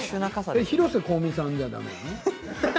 広瀬香美さんじゃ、だめ？